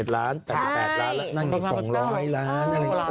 ๘๘ล้านแล้วนั่นอยู่๒๐๐ล้านนั่นอยู่๒๐๐ล้าน